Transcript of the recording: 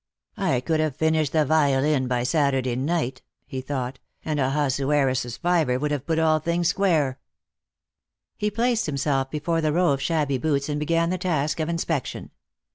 " I could have finished the violin by Saturday night," he thought, " and Ahasuerus's fiver would have put all things square." He placed himself before the row of shabby boots, and began the task of inspection.